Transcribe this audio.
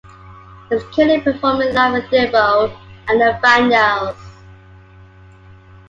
He is currently performing live with Devo and The Vandals.